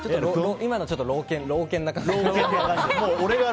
今の老犬な感じが。